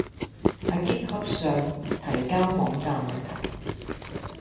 喺 GitHub 上提交網站問題